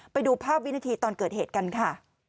ไปดูภาพวินาทีตอนเกิดเหตุกันค่ะ